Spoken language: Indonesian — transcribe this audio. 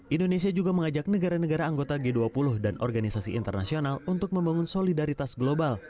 indonesia juga mengajak negara negara anggota g dua puluh dan organisasi internasional untuk membangun solidaritas global